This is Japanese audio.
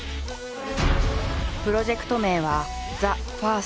プロジェクト名は「ＴＨＥＦＩＲＳＴ」。